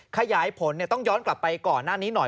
ขยายผลต้องย้อนกลับไปก่อนหน้านี้หน่อย